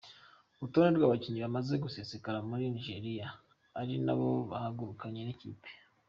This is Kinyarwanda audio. Urutonde rw'abakinnyi bamaze gusesekara muri Nigeria ari nabo bahagurukanye n’ikipe:.